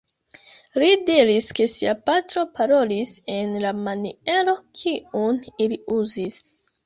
Li diris ke sia patro parolis en la maniero kiun ili uzis.